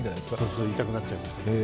そう、言いたくなっちゃいました。